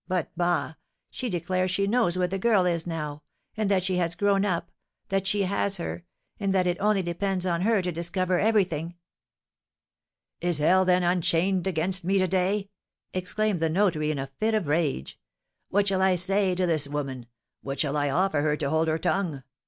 But bah! she declares she knows where the girl is now, and that she has grown up, that she has her, and that it only depends on her to discover everything." "Is hell, then, unchained against me to day?" exclaimed the notary, in a fit of rage. "What shall I say to this woman? What shall I offer her to hold her tongue?